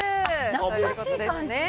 懐かしい感じ。